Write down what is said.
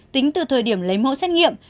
tính từ thời điểm lấy mẫu xét nghiệm